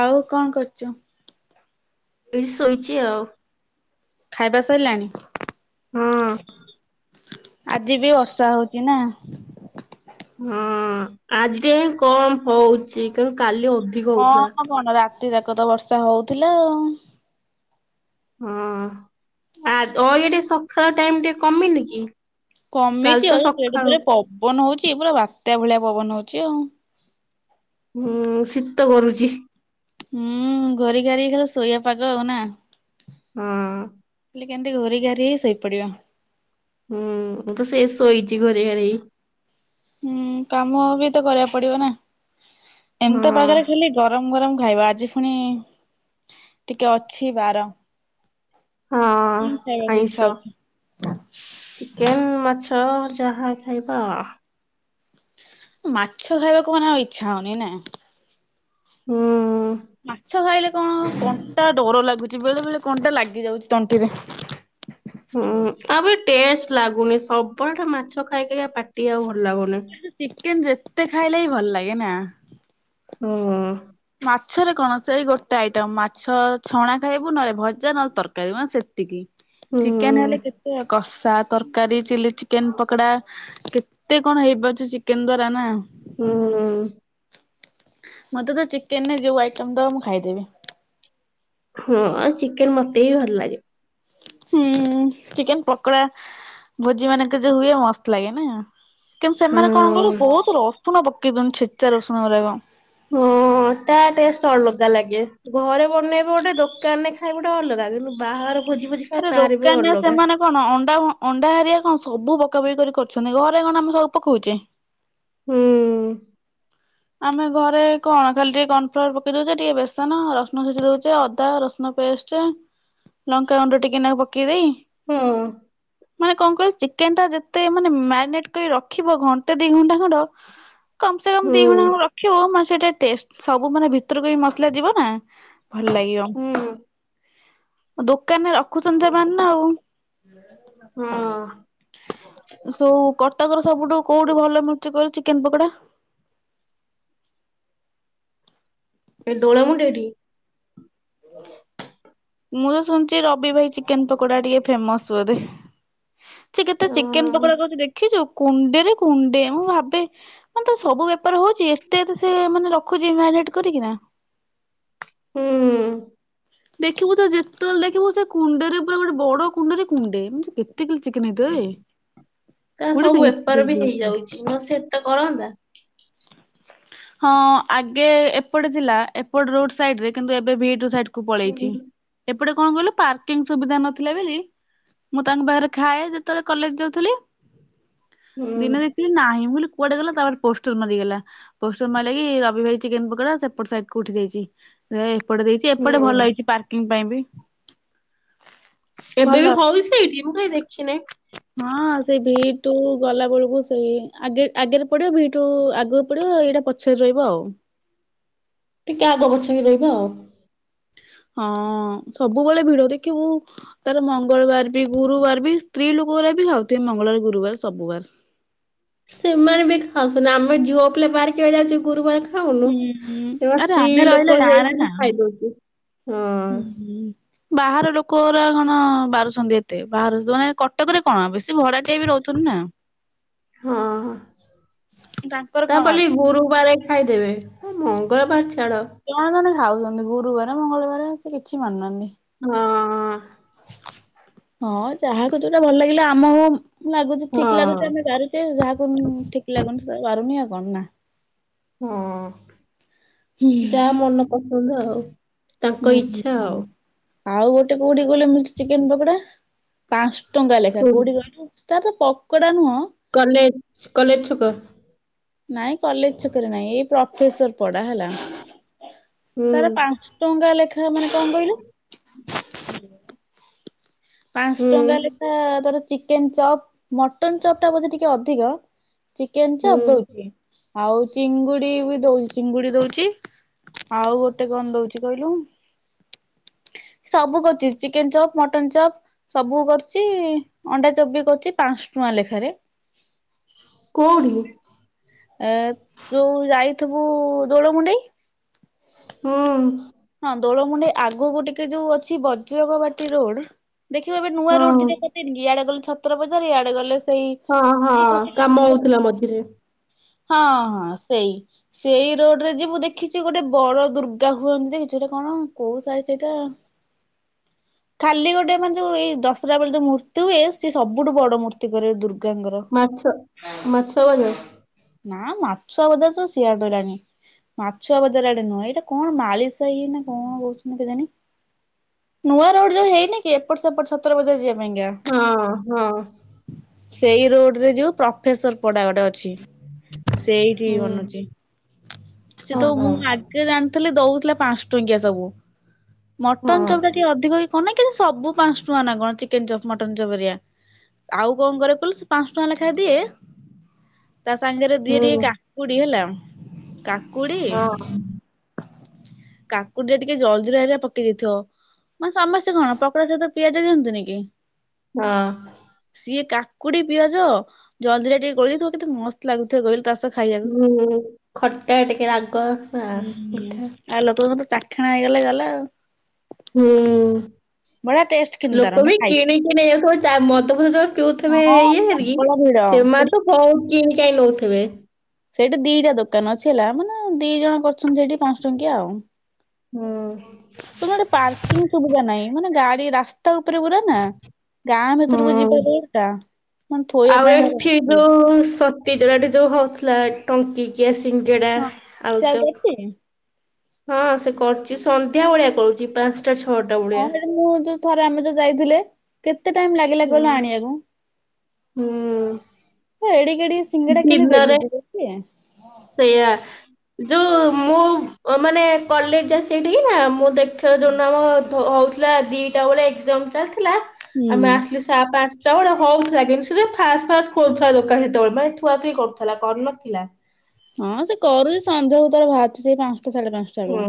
ଆଉ କଣ କରୁଚ? ଏଇଠି ଶୋଇଛି ଆଉ। ଖାଇବା ସଇଲାଣି? ହଁ। ଆଜି ବି ବର୍ଷା ହଉଚି ନା? ହଁ ଅଁ ଆଜି ଟି ଏଇ କମ ହଉଚି କିନ୍ତୁ କାଲି ଅଧି କମ କଣ ରାତି ଯାକ ତ ବର୍ଷା ହଉଥିଲା ଆଉ। ହଁ। [inaudible] ଆଗ ଇଏ ଟି ସକାଳ ଟାଇମ ଟିକେ କମିନି କି? କାଲି କମିଛି ତ ଆଉ ଯେଡ଼େ ସକାଳୁ ଜୋରେ ପବନ ହଉଛି ପୁରା ବାତ୍ୟା ଭଳିଆ ପବନ ହଉଛି ଆଉ। ହୁଁଉଁ ଶୀତ କରୁଛି। ହୁଁଉଁ ଘୋରି ଘାରି ହେଇ ଖାଲି ଶୋଇବା ପାଗ ଆଉ ନା। ହଁଅଁ। ଖାଲି କେନତି ଘୋରି ଘାରି ହେଇ ଶୋଇ ପଡିବ। ହୁଁଉଁ ମୁଁ ତ ସେ ଶୋଇଚି ଘୋରେଇ ଘାରେଇ ହେଇ। ହୁଁଉଁ କାମ ବି ତ କରିବାକୁ ପଡିବ ନା ହଁ ଏମତିଆ ପାଗେରେ ଖାଲି ଗରମ ଗରମ ଖାଇବା, ଆଜି ଫୁଣି ଟିକେ ଅଛି ବାର। ହଁଅଁ ଖାଇବାକୁ ଇଚ୍ଛା ଆଇଁଷ। ହଉଛି। ଚିକେନ୍, ମାଛ ଯାହା ଖାଇବ ଅ। ମାଛ ଖାଇବାକୁ ମାନେ ଆଉ ଇଚ୍ଛା ହଉନେଇ ନା? ହୁଁ। ମାଛ ଖାଇଲେ କଣ କଣ୍ଟା ଡର ଲାଗୁଚି ବେଳେ ବେଳେ କଣ୍ଟା ଲାଗି ଯାଉଚି ତଣ୍ଟିରେ। ହୁଁ ଆଉ ବି ଟେଷ୍ଟ ଲାଗୁନି ସବବେଳେ ଟେ ମାଛ ଖାଇ ଖାଇକା ଆ ପାଟି ଆଉ ଭଲ ଲାଗୁନି। ସେ ଚିକେନ୍ ଯେତେ ଖାଇଲେ ହିଁ ଭଲ୍ ଲାଗେ ନା। ହୁଁଉଁ। ମାଛରେ କଣ ସେଇ ଗୋଟେ ଆଇଟମ୍ ମାଛ ଛଣା ଖାଇବୁ ନହେଲେ ଭଜା ନହେଲେ ତରକାରୀ ମାନେ ସେ ତିକି, ଚିକେନ୍ ହୁଁ ହେଲେ କେତେ କଷା ତରକାରୀ ଚିଲି ଚିକେନ୍ ପକୋଡା, କେତେ କଣ ହେଇପାରୁଛି ଚିକେନ୍ ଦ୍ଵାରା ନା। ହୁଁଉଁ। ମତେ ତ ଚିକେନ୍ ରେ ଯୋଉ ଆଇଟମ୍ ଦବ ମୁଁ ଖାଇଦେବି। ହୁଁ, ଆଉ ଚିକେନ୍ ମତେ ବି ଭଲ ଲାଗେ। ହୁଁଉଁ ଚିକେନ୍ ପକୋଡା ଭୋଜି ମାନେଙ୍କେରେ ଯୋଉ ହୁଏ ମସ୍ତ ଲାଗେ ନା। କିନ୍ତୁ ସେମାନେ କଣ କଇଲ ହଁ। ବହୁତ୍ ରସୁଣ ପକେଇ ଦୋଓନି ଛେଚା ରସୁଣ ଗୁଡାକ। ହଁଅଁ ତା ଟେଷ୍ଟ ଅଲଗା ଲାଗେ। ଘରେ ବନେଇବ ଗୋଟେ ଦୋକାନରେ ଖାଇବୁ ଗୋଟେ ଅଲଗା, କିନ୍ତୁ ବାହାଗର ଭୋଜି ଫୋଜି ଆରେ ଦୋକାନରେ ସେମାନେ କଣ ଅଣ୍ଡା ଆଉ ହଁ ଅଣ୍ଡା ହେରିକା କଣ ସବୁ ପକା ପକି କରି କରୁଛନ୍ତି। ଘରେ କଣ ଆମେ ସବୁ ପକଉଚେ? ହୁଁଉଁ। ଆମେ ଘରେ କଣ ଖାଲି ଟିକେ କର୍ଣ୍ଣ ଫ୍ଲୋର୍ ପକେଇ ଦଉଚେ ଟିକେ ବେସନ, ରସୁଣ ଛେଚି ଦଉଚେ ଅଦା, ରସୁଣ ପେଷ୍ଟ ଚେ ଲଙ୍କା ଗୁଣ୍ଡ ଟିକିଏ ନାକୁ ପକେଇ ଦେଇ ହୁଁଉଁ। ମାନେ କଁ କଇଲ ଚିକେନ୍ ଟା ଯେତେ ମାନେ ମ୍ୟାରିନେଟ୍ କରି ର ଖିବ ଘଣ୍ଟେ ଦି ଘଣ୍ଟା ଖଣ୍ଡ କମ୍ ସେ କମ ହୁଁ ଦି ଘଣା ଘଣେ ରଖିବ ମାନେ ସେଟା ଟେଷ୍ଟ ସବୁ ମାନେ ଭିତୁରୁକୁ ବି ମସଲା ଯିବ ନା। ଭଲ୍ ଲାଗିବ। ହୁଁ। ଦୋକାନରେ ରଖୁଚନ୍ତି ସେମାନେ ନା ହଁ ଆଉ। ସବୁ କଟକର ସବୁଠୁ କୋଉଠି ଭଲ ମିଲୁଚି କଇଲ ଚିକେନ୍ ପକୋଡା? ଏଇ ଡୋଳ ମୁଣ୍ଡେଇ ଠି। ମୁଁ ତ ଶୁଣିଚି ରବି ଭାଇ ଚିକେନ୍ ପକୋଡା ଟିକେ ଫେମସ୍ ବୋଧେ? ସିଏ କେତେ ଚିକେନ୍ ହଁ ପକୋଡା କରୁଚି ଦେଖିଚୁ କୁଣ୍ଡେରେ କୁଣ୍ଡେ। ମୁଁ ଭାବେ ମାନେ ତା ସବୁ ବେପାର ହଉଛି ଏତେ ଏତେ ସିଏ ମାନେ ରଖୁଛି ମ୍ୟାରିନେଟ୍ କରିକି ନା। ହୁଁଉଁ। ଦେଖିବୁ ତ ଯେତେବେଳେ ଦେଖିବୁ ସେ କୁଣ୍ଡେରେ ପୁରା ଗୋଟେ ବଡ କୁଣ୍ଡେରେ କୁଣ୍ଡେ। ଏମତି ସେ [inaudible] ଚିକନ ହେଇଥିବ ଏ କୋଡିଏ ଦିନ ନହେଲେ ଏତେ କରନ୍ତା? ହଁ ଆଗେ ଏପଟେ ଥିଲା ଏପଟ ରୋଡ ସାଇଡ ରେ କିନ୍ତୁ ଏବେ ଭିଟୁ ସାଇଡ କୁ ପଳେଇଛିି। ହୁଁ ଏପଟେ କଣ କହିଲୁ ପାର୍କିଂ ସୁବିଧା ନଥିଲା ବୋଲି ମୁଁ ତାଙ୍କ ପାଖରେ ଖାଏ ଯେତେବେଳେ କଲେଜ ଯାଉଥିଲି। ଦିନେ ହୁଁ। ଦେଖିଲି ନାହିଁ ମୁକଲି କୁଆଡେ ଗଲା ତା ପରେ ପୋଷ୍ଟ ସେ ମରିଗଲା ପୋଷ୍ଟର ମାରିଲା କି ରବି ଭାଇ ଚିକେନ ପକୋଡା ସେପଟ ସାଇଟ କୁ ଉଠି ଯାଇଛି। ଏ ଏପଟେ ଦେଇଛି ଏପଟେ ହୁଁ ଭଲ ହେଇଛି ପାର୍କିଂ ପାଇଁ ବି। ଏବେ ବି ଭଲ ହଉଚି ସେଇଠି ମୁଁ କାଇଁ ଦେଖିନହିଁ? ହଁ ସେଇ ଭିଟୁ ଗଲା ବେଳକୁ ସେଇ ଆଗେ ଆଗରେ ପଡିବ ଭିଟ ଟୁ ଆଗକୁ ପଡିବ ଏଇଟା ପଛରେ ରହିବ ଆଉ। ଟିକେ ଆଗ ପଛ ହୋଇ ରହିବା ଆଉ। ହଁ ସବୁବେଳେ ଭିଡ ଦେଖିବୁ। ତାର ମଙ୍ଗଳବାର ବି ଗୁରୁବାର ବି ସ୍ତ୍ରୀ ଲୋକଉଡା ବି ଖାଉଥିବେ ମଙ୍ଗଳବାର ଗୁରୁବାର ସବୁବାର। ସେମାନେ ବି ଏଠି ଖାଉଛନ୍ତି ଆମେ ଝିଅ ପିଲା ବାହାରିକି ଆ ଇଲାଏସିକି ଗୁରୁବାର ଖାଉନୁ, ହୁଁ ହୁଁ ଏବା ଆରେ ସ୍ତ୍ରୀ ଆମେ ରହିଲେ ଲୋକ ଗାଁରେ ହେଇକି ବି ନା ଖାଇଦଉଛି। ହଁ ହୁଁ ବାହାର ଲୋକରା କଣ ବାରୁଛନ୍ତି ଏତେ ବାହାରୁ ଯୋଉମାନେ କଟକରେ କଣ ବେଶ ସେ ଭଡାଟିଆ ବି ରହୁଛନ୍ତି ନା, ହଁ ତାଙ୍କର କଣ ତାପରେ ଅଛି? ଗୁରୁବାରେ ଖାଇଦେବେ ମଙ୍ଗଳବାର ଛାଡ। ଜଣେ ଜଣେ ଖାଉଛନ୍ତି ଗୁରୁବାର ମଙ୍ଗଳବାର ସେ କିଛି ମାନୁନାହାନ୍ତି। ହଁ ହଁ ଯାହାକୁ ଯୋଉଟା ଭଲ ଲାଗିଲା ଆମ ଲାଗୁଛି ଠିକ ହଁ ଲାଗୁଛି ଆମେ ବାରୁଛୁ ସେ ଯାହାକୁ ଠିକ୍ ଲାଗୁନି ସେ ପାରୁନି ଆଉ କଣ ନା ହଁ ହୁଁ ଯାହା ମନ ପସନ୍ଦ ଆଉ। ହୁଁ ତାଙ୍କ ହୁଁ ଇଚ୍ଛା ଆଉ ହୁଁ ଆଉ ଗୋଟେ କୋଉଠି କହିଲେ ମତେ ଚିକେନ ପକୋଡା? ପାଞ୍ଚ ଟଙ୍କା ଲେଖା କୋଉଠି କହିଲୁ ତାର ତ ପକୋଡା ନୁହଁ କଲେଜ କଲେଜ ଛକ। ନାଇଁ କଲେଜ ଛକରେ ନାଇଁ ଏଇ ପ୍ରଫେସର ପଡା ହେଲା ହୁଁ ତାର ପାଞ୍ଚ ଟଙ୍କା ଲେଖା ମାନେ କଣ କହିଲୁ ପାଞ୍ଚ ହୁଁ ଟଙ୍କା ଲେଖା ତାର ଚିକେନ ଚପ୍ ମଟନ ଚପ୍ ଟା ବୋଧେ ଟିକେ ଅଧିକ। ଚିକେନ ହୁଁ ଚପ ଦଉଚି ଆଉ ଚିଙ୍ଗୁଡି ବି ଦଉଚି ଚିଙ୍ଗୁଡି ଦଉଚି। ଆଉ ଗୋଟେ କଣ ଦଉଚି କହିଲୁ ସବୁ କରୁଛି ଚିକେନ ଚପ୍ ମଟନ ଚପ୍। ସବୁ କରୁଚି ଅଣ୍ଡା ଚପ୍ ବି କରୁଚି ପାଞ୍ଚ ଟଙ୍କା ଲେଖାରେ। କୋଉଠି? ଏ ତୁ ଯାଇଥିବୁ ଦୋଳମୁଣ୍ଡେଇ। ହୁଁ ହଁ ଦୋଳମୁଣ୍ଡେଇ ଆଗୁକୁ ଟିକେ ଯୋଉ ଅଛି ବଜ୍ରଗବାଟି ରୋଡ ଦେଖିବ ଏବେ ନୂଆ ରୋଡ ହଁ ଦିଟା କରିଦେଇନି କି ଇଆଡେ ଗଲେ ଛତ୍ରବଜାର ଇଆଡେ ଗଲେ ସେଇ ହଁ ହଁ କାମ ହଉଥିଲା ମଝିରେ। ହଁ ହଁ ସେଇ। ସେଇ ରୋଡରେ ଯିବୁ ଦେଖିଛି ଗୋଟେ ବଡ ଦୁର୍ଗା ହୁଅନ୍ତି। ସେଇଟା କଣ କୋଉ ସାଇ ସେଇଟା। ଖାଲି ଗୋଟେ ମାନେ ଯୋଉ ଏଇ ଦଶରା ବେଳେ ଯୋଉ ମୂର୍ତ୍ତି ହୁଏ ସିଏ ସବୁଠୁ ବଡ ମୂର୍ତ୍ତି କରେ ଦୁର୍ଗାଙ୍କର। ମାଛ ମାଛ ବଜାର। ନା ମାଛ ବଜାର ତ ସିଆଡେ ରହିଲାଣି। ମାଛ ବଜାର ଆଡେ ନୁହଁ ଏଇଟା କଣ ମାଳିସାହି ନା କ ହୁଁ କେଜାଣି ନୂଆ ରୋଡ ଯୋଉ ହେଇନି କି ଏପଟ ସେପଟ ଛତ୍ର ବଜାର ଯିବା ପାଇଁକା। ହଁ ହଁ। ସେଇ ରୋଡରେ ଯୋଉ ପ୍ରଫେସର ପଡା ଗୋଟେ ଅଛି। ସେଇଠି ହୁଁ ବନୁଚି ସେ ହଁ ତ ମୁଁ ଆ ହଁ ଗେ ଜାଣିଥେଲି ଦଉଥିଲା ପାଞ୍ଚ ଟଙ୍କିଆ ସବୁ ମଟନ ଚପ୍ ଟା ଟିକେ ଅଧିକ କଣ ନା କି ସବୁ ପାଞ୍ଚଟଙ୍କା ନା କଣ ଚିକେନ ଚପ୍ ମଟନ ଚପ୍ ହରିକା। ଆଉ କଣ କରେ କହିଲୁ ସେ ପାଞ୍ଚଟଙ୍କା ଲେଖା ଦିଏ ସାଙ୍ଗେରେ ଦିଏ ଟିକେ ହୁଁ କାକୁଡି ହେଲା କାକୁଡି ହଁ କାକୁଡିରେ ଟିକେ ଜଲଜିରା ହରିୟା ପକେଇ ଦେଇଥିବ। ମାନେ ସମସ୍ତେ କଣ ପକଡା ସହିତ ପିଆଜ ଦିଅନ୍ତିନି କି। ହଁ। ସିଏ କାକୁଡି ପିଆଜ ଜଲଜିରା ଟିକେ ଗୋଳେଇ ଦେଇଥବ କେତେ ମସ୍ତ ଲାଗୁ ଥିବକହିଲୁ ତା ସ ଖାଇଆ ହୁଁ ଖଟା ଟିକେ ରାଗ ଆ ମିଠା ଆ ଲୋକଙ୍କର ତ ଚାଖେଣା ହେଇଗଲେ ଗଲା ଆଉ। ହୁଁ। ବଢିଆ ଟେଷ୍ଟ କିନ୍ତୁ ତାର ଲୋକ ମୁଁ ବି ଖାଇଛି। କିଣିକି ନେଇଯାଉଥିବେ ଚା ମଦ ଫଦ ସବୁ ପିଉଥିବେ ହଁ ଇଏ ହେରି ପ୍ରବଳ ଭିଡ। ସେମା ସେଠି ତ ବହୁତ କିଣ କାଇଁ ନଉଥିବେ। ସେଇଟି ଦିଟା ଦୋକାନ ଅଛି ହେଲା ମାନେ ଦି ଜଣ କରିଛନ୍ତି ସେଇଠି ପାଞ୍ଚ ଟଙ୍କିଆ ଆଉ। ହୁଁ। ଗୋଟେ ପାର୍କିଂ ସୁବିଧା ନାହିଁ ମାନେ ଗାଡି ରାସ୍ ତା ତ ଉପରେ ପୁରା ନା ଗାଁ ଭିତୁରୁକୁ ହୁଁ ଯିବା ରୋଡ ଟା ମାନେ ଥୋଇଆ ପାଇଁ ଭାରି ଅସୁବି [unintelligible] [unintelligible] ଆଡେ ଯୋଉ ହଉଥିଲା ଟଙ୍କିକିଆ ସିଙ୍ଗେଡା ଇଚ୍ଛା ଆଉ ଆଳୁଚପ। କରିଛି ହଁ ସେ କରୁଚି ସନ୍ଧ୍ୟାବେଳିଆ କରୁଚି ପାଞ୍ଚ ଚ ଛଅଟାକୁ। ହଁ ହେଇଟି ମୁଁ ଯୋଉ ଥରେ ଆମେ ଯୋଉ ଯାଇଥିଲେ। କେତେ ଟାଇମ ଲାଗିଲା ହୁଁ କହିଲ ଆଣିବାକୁ? ହୁଁ ହଁ ଏଡି ଗଡି ସିଙ୍ଗଡା କେମିତି ଦିନରେ ବେଲୁଛିି ବିକେ। ସେଇଆ ଯୋଉ ମୁଁ ମାନେ କଲେଜ ଯାଏ ସେଠିକି ନା ମୁଁ ଦେଖ ସେ ଯୌନ ଆମ ହଉଥିଲା ଦିଟା ବେଳେ ଏକ୍ଜାମ ଚାଲିଥିଲା ହୁଁ। ଆମେ ଆସିଲୁ ଚା ପାଞ୍ଚଟା ବେଳେ ହଉଥିଲା କିନ୍ତୁ ସେ ଫାଷ୍ଟ ଫାଷ୍ଟ ଖୋଥିଲା ଦୋକାନ ସେତେବେଳେ ମାନେ ଥୁଆ ଥୁଇ କରୁଥିଲା କରିନଥିଲା। ହଁ ସେ କରୁଛି ସଞ୍ଜ ଭିତରେ ବାହାରୁଛି ସେଇ ପାଞ୍ଚଟା ସାଢେ ପାଞ୍ଚ ହୁଁ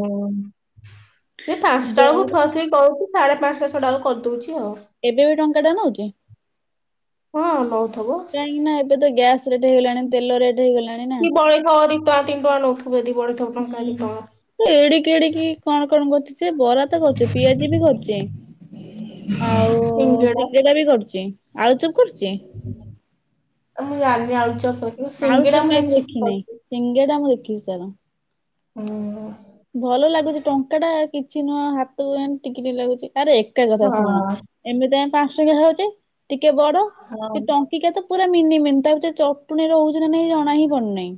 ସେ ପାଞ୍ଚଟା ବେଳକୁ ଦଉଡ ଥୁଆ ଥୁଇ କରୁଛି ସାଢେ ପାଞ୍ଚଟା ଛଟାଲ କରିଦଉଛି ଆଉ। ଏବେ ବି ଟଙ୍କା ଟେ ନଉଛି? ହଁ ନହୁଥିବ। କାଇଁକି ନା ଏବେ ତ ଗ୍ୟାସ ରେଟ ହେଇଗଲାଣି ତେଲ ରେଟ ହେଇଗଲା କି ବଳେଇଥବ ଦି ଟଙ୍କା ତିନି ଟଙ୍କା ନଉଥିବେ ଦି ବଢି ଥିବ ଟଙ୍କା ଦି ହୁଁ। ଟଙ୍କା। ଏଡିକି ଏଡିକି କଣ କଣ କରୁଚି ଯେ ବରା କରୁଚି ପିଆଜି ବି କରୁଚି ଆଉ ସିଙ୍ଗିଡା ସିଙ୍ଗେଡା ବି କରୁଚି। ଆଳୁ ଚପ୍ କରୁଚି? ମୁଁ ଜାଣିନି ଆଳୁଚପ କରଥିବ ଆଳୁଚପ ସିଙ୍ଗିଡା ମୁଁ କାଇଁ ଦେଖିଛି ଦେଖିନାହିଁ କରୁଚି। ସିଙ୍ଗେଡା ମୁଁ ଦେଖିଚି ତାର। ହ। [unintelligible] ଭଲ ଲାଗୁଚି ଟଙ୍କା ଟା କିଛି ନୁହଁ ହାତକୁ ଏମିତି ଟିକିଟେ ଲାଗୁଛି ଆରେ ଏକା କଥା ହଁ ଶୁଣୁ। ଏମିତି ଆମେ ପାଞ୍ଚ ଟଙ୍କିଆ ଖାଉଚେ ଟିକେ ବଡ ହଁ କି ଟ ଙ୍କିଆ ତ ପୁରା ମିନି ମିନି ତା ଭିତରେ ଚଟୁଣୀ ରହୁଛି ନା ନାଇଁ ଜଣା ହିଁ ପଢୁନେଇ।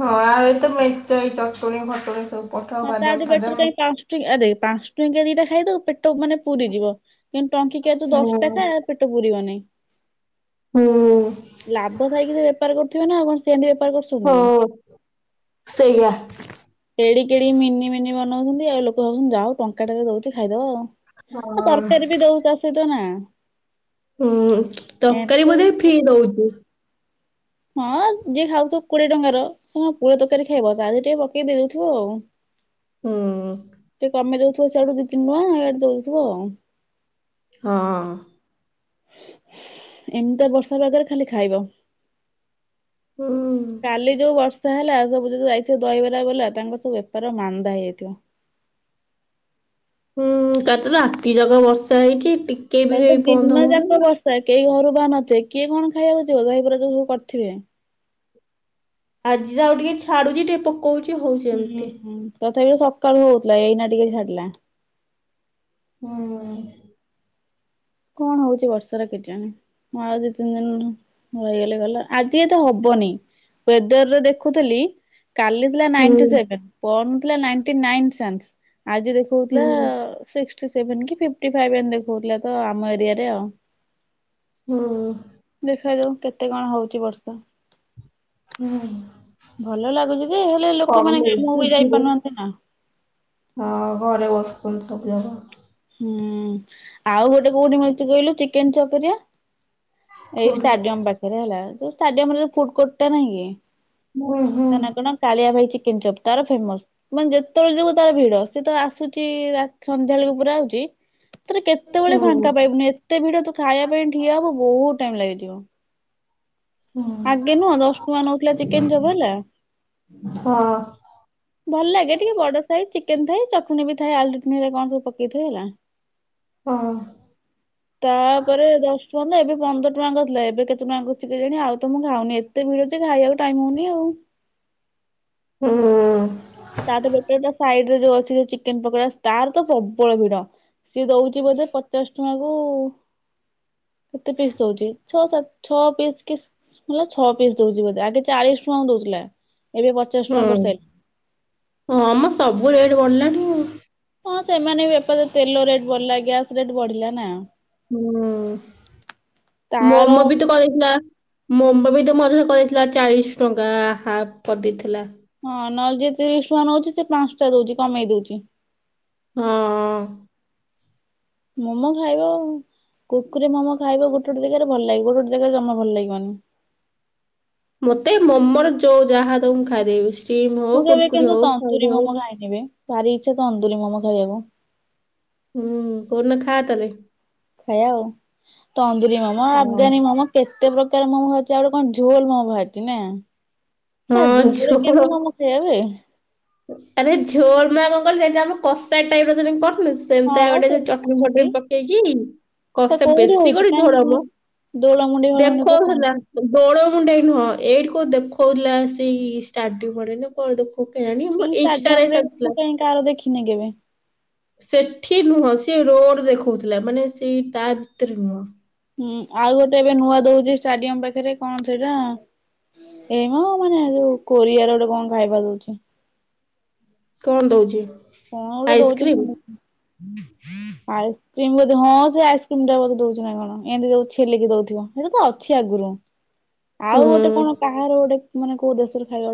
ହଁ ଆ ଏତ ମେଞ୍ଚାଏ ଚଟଣି ଫଟଣି ସବୁ। ପକାଅ ହଁ ତା ବାଦାମ ଠୁ ବେଟର ଫାଦାମ କାଇଁ ପା ଟି ଆ ଦେଖ ପାଞ୍ଚ ଟଙ୍କିଆ ଦିଟା ଖାଇଦବୁ ପେଟ ମାନେ ପୁରି ଯିବ କିନ୍ତୁ ଟଙ୍କିକିଆ ତୁ ଦଶ ଟା ହୁଁ ଖା ପେଟ ପୁରୀବନେଇ। ହୁଁ। ଲାଭ ଥାଇକି ସେ ବେପାର କରୁଥୁବେ ନା ଆଉ କଣ ସେମିତି ବେପାର କରୁଚ ହଁ ସେଇଆ। ଏଡିକି ଏଡିକି ମିନି ମିନି ବନଉଛନ୍ତି ଆଉ ଲୋକ ଭାବୁଛନ୍ତି ଯା ହୋଉ ଟଙ୍କା ଟାରେ ଦଉଛି ଖାଇଦବା ଆଉ। ହଁ। ତରକାରୀ ବି ଦଉ ତା ସହିତ ନା। ହୁଁ ତରକାରୀ ବୋଧେ ଫ୍ରି ଏମିତି ଦଉଚି। ହଁ ଯିଏ ଖାଉଚ କୋଡିଏ ଟଙ୍କାର ସେ କଣ ପୁରା ତରକାରୀ ଖାଇବ ଯାହେଲେ ଟିକେ ପ ଟିକେ ଦେଇଦଉଥିବ ଆଉ ହୁଁ ଟିକେ କମେଇ ଦଉଥିବ ସିଆଡୁ ଦି ତିନି ଟଙ୍କା ଦଉଥିବ ଆଉ। ହଁ। ଏମିତିଆ ବର୍ଷା ପାଗରେ ଖାଲି ଖାଇବ। ହୁଁ। କାଲି ଯୋଉ ବର୍ଷା ହେଲା ସବୁ ଯୋଉ ଯାଇଥିବେ ଦହିବରା ବଲା ତାଙ୍କର ସବୁ ବେପାର ମାନ୍ଦା ହେଇଯାଇଥିବ। ହୁଁ କାଲି ତ ରାତି ଯାକ କ ବର୍ଷା ହେଇଛି ଟିକେ କାଲି ବି ତ ଏପନ୍ତ ବନ୍ଦ ଦିନ ହଉନି। ଯାକ ଆଉ। ବର୍ଷା କେହି ଘରୁ ବାହରୁ ନଥିବେ କିଏ କଣ ଖାଇବାକୁ ଯିବ ଦହି ପୁରା ଯୋଉ ସବୁ କରିଥିବେ। ଆଜି ଯା ହୋଉ ଟିକେ ଛାଡୁଛି ଟିକେ ପ ଉଚି ହଉଚି। ହୁଁ ହୁଁ ତଥାପି ତ ସକାଳୁ ହଉଥିଲା ଏଇନା ଟିକେ ଛାଡିଲା। ହଁ ହଁ। କଣ ହଉଚି ବର୍ଷର କେଜାଣି। ମୁଁ ଆଉ ଦି ତିନି ଦିନି ରହିଗଲେ ଗଲା ଆଜି ଏତେ ହବନି। ୱେଦରରେ ଦେଖୁଥିଲି କାଲି ଦେଖୋଉଥିଲା ହୁଁ ନାଇଣ୍ଟି ସେଭେନ୍ ପରଦିନ ଥିଲା ନାଇଣ୍ଟି ନାଇନ୍ ଚାନ୍ସ ଆଜି ହୁଁ ଦେଖଉଥିଲା ସିକ୍ଟୀ ସିକ୍ଟୀ ସେଭେନ କି ଫିଫ୍ଟୀ ଫାଇଭ ଏମିତି ଦେଖଉଥିଲା ତ ଆମ ଏରିଆରେ ଆଉ ହୁଁ। ଦେଖା ଯାଉ କେତେ କଣ ହଉଚି ବର୍ଷା। ହୁଁ। ଭଲ ଲାଗୁଚି ଯେ ହେଲେ ଲୋକମାନେ କାମକୁ କମି ଯାଇପାରୁ ନାହାନ୍ତି ନା। ହଁ ଘରେ ବସୁଛନ୍ତି ସବୁ ଯାକ। ହୁଁ ଆଉ ଗୋଟେ କୋଉଠି ମିଳୁଚି କହିଲୁ ଚିକେନ ଛତୁରିଆ। ଏଇ ଷ୍ଟାଡିୟମ ପାଖରେ ହେଲା ଯୋଉ ଷ୍ଟାଡିୟମରେ ଯୋଉ ଫୁଡ କୋଟ ଟା ନାଇଁ କି। ତାନ କଣ କାଳିଆ ଭାଇ ଚିକେନ ଚପ୍ ତାର ଫେମସ୍। ମାନେ ଯେତେବେଳେ ଯିବୁ ତାର ଭିଡ ସିଏ ତ ଆସୁଛି ରା ସନ୍ଧ୍ୟା ବେଳକୁ ପୁରା ଆଉ। ଯେ ତାରେ କେତେବେଳେ ଫାଙ୍କା ପାଇବୁନି ଏ ଯେତେବେଳ ତୁ ଖାଇବା ପାଇଁ ଠିଆ ହବ ବହୁତ ଟାଇମ ଲାଗିଯିବ। ଆଗେ ନୁହଁ ଦଶ ଟଙ୍କା ନଉଥିଲା ଚିକେନ ଚପ୍ ହେଲା। ହଁ। ଭଲ ଲାଗେ ଟିକେ ବଡ ସାଇଜ ଚିକେନ ଥାଇ ଚଟଣି ବି ଥାଏ ଆଳୁଲଳ ଚଟୀରେ କଣ ସବୁକେଇ ଥାଏ ହେଲା। ଓହଁ। ତାପରେ ଦଶ ଟଙ୍କା ତ ଏବେ ପନ୍ଦର ଟଙ୍କା କରିଥିଲା ଏବେ କେତେ ଟଙ୍କା କରିଛିି କେ ଜାଣି ଆଉ ତ ମୁଁ ଖାଉନି ଏ ଏତେ ଭିଡ଼ ଯେ ଖାଇବାକୁ ଟାଇମ ହଉନି ଆଉ। ହୁଁ। ତାଠୁ ବେଟର ସାଇଡ ରେ ଯୋଉ ଅଛି ଚିକେନ ପକୋଡା ତାର ତ ପ୍ରବଳ ଭିଡ। ସିଏ ଦଉଛି ବୋଧେ ପଚାଶ ଟଙ୍କା କୁ କେତେ ପିସ୍ ଦଉଛି ଛଅ ସାତ ଛଅ ପିସ୍ କି ଛଅ ପିସ୍ ଦଉଛି ବୋଧେ ଆଗେ ଚାଳିଶ ଟଙ୍କାଙ୍କୁ ଦଉଥିଲା ଏବେ ପ ଚଷ୍ଟ ଟଙ୍କା କରିଶାଇ ହଁ ମ ସବୁ ରେଟ୍ ବଢିଲାଣି ଆଉ। ହଁ ସେମାନେ ବି ବେପାର ତେଲ ରେଟ୍ ବଢିଲା ଗ୍ୟାସ ରେଟ ବଢିଲା ନା। ହୁଁ ତାର ମୋମୋ ବି ତ କରେଇଥିଲା। ମୋମ ବି ତ ମଝିରେ କରିଦେଇଥିଲା ଚାଳିଶ ଟଙ୍କା ହାଫ କରିଦେଇଥିଲା। ହଁ ନହେଲେ ଜିଏ ତିରିଶ ଟଙ୍କା ନଉଛି ସେ ପାଞ୍ଚ ଟା ଦଉଛି କମେଇ ଦଉଛି। ହଁ। ମୋମୋ ଖାଇବ କୁକୁର ମୋମୋ ଖାଇବ ଗୋଟେ ଗୋଟେ ଜାଗାରେ ଭଲ ଲାଗିବ ଗୋଟେ ଗୋଟେ ଜାଗାରେ ଜମା ଭଲ ଲାଗିବାନି। ମତେ ମୋମର ଯୋଉ ଯାହା ଦବ ମୁଁ ଖାଇଦେବି ଷ୍ଟିମ୍ ହଉ କୁୁରକୁରି ହଉ [unintelligible] ଆଗିବେ ଭାରି ଇଚ୍ଛା ତନ୍ଦୁରି ମୋମ ଖାଇବାକୁ। ହୁଁ କୋଉଦିନ ଖା ତାହେଲେ। ଖାଇ ଆଉ ତନ୍ଦୁରୀ ମୋମ ହଁ ଆଫଗାନୀ ମୋମ। କେତେ ପ୍ରକାର ମୋମ୍ ହଉଛି ଆଉ ଗୋଟେ କଣ ଝୋଲ ମୋ ଅଛି ନା? ତା ହଁ ଝୋଲ ରେ କେମିତି ଝୋଳ ମୋମ ଖିଆ ହୁଏ। ଆରେ ଝୋରମାଆ କଣ କ ଆମ କଷାର ଟାଇପ ର କରୁନେ ହଁ ସେମିତା ବା ଗୋଟେ ସେ ସେମିତି ଚଟଣିୀ କରୁଛନ୍ତି। ଫଟଣିୀ ପକେଇକି କଶା ସେ ବେଶୀ କୋଉଠି ଝୋଳ ମ? ଦୋଡ଼ ମୁଁଣ୍ଡେଇ ଫୋଳ ମୁଁଣ୍ଡେଇ [unintelligible] ଦୋଳମୁଣ୍ଡେଇ ନୁହଁ ଏଇଠି କୋଉ ଦେଖଉଥିଲା ସେଇ ଷ୍ଟାର୍ଟିଂ ଆଡେ ନା କଣ ଦେଖ କେଜାଣି ଇଷ୍ଟା ରେ ଛାଡିଥିଲା। ତାର ଦେଖିନି କେବେ? ସେଠି ନୁହଁ ସେ ରୋଡ ଦେଖଉଥିଲା ମାନେ ସେଇ ତା ଭିତରେ ନୁହଁ। ହୁଁ ଆଉ ଗୋଟେ ଏବେ ନୂଆ ଦଉଛି ଷ୍ଟାଡିୟମ ପାଖରେ କଣ ସେଇଟା ଏଇମ ମାନେ ଯୋଉ କୋରିଆ ର ଗୋଟେ କଣ ଖାଇବା ଦଉଛି। କଣ ଦଉଛି କଣ ଗୋଟେ ଦଉଛି ଆଇସ୍କ୍ରିମ। ମୁଁ ଆଇସ୍କ୍ରିମ ହଁ ସେ ଆଇସ୍କ୍ରିମ ଟା ବୋଧେ ଦଉଛି ନା କଣ ଏମତି ଯଉ ଛେଲିକି ଦଉଥିବ ସେଇଟା ତ ଅଛି ଆଗରୁ। ଆଉ ଗୋଟେ ହୁଁ। କଣ କାହାର ଗୋଟେ ମାନେ କୋଉ ଦେଶରେ ଖାଇବା